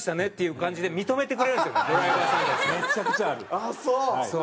あっそう！